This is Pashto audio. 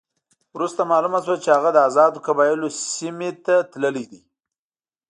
وروسته معلومه شوه چې هغه د آزادو قبایلو سیمې ته تللی دی.